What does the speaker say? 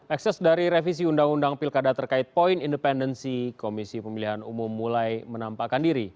ekses dari revisi undang undang pilkada terkait poin independensi komisi pemilihan umum mulai menampakkan diri